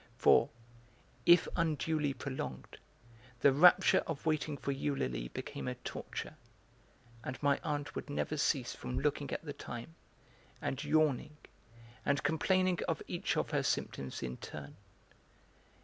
For, if unduly prolonged, the rapture of waiting for Eulalie became a torture, and my aunt would never cease from looking at the time, and yawning, and complaining of each of her symptoms in turn.